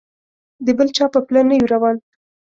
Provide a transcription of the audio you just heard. د بل چا په پله نه یو روان.